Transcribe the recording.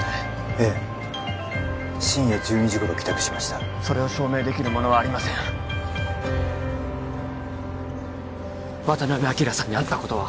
ええ深夜１２時頃帰宅しましたそれを証明できるものはありません渡辺昭さんに会ったことは？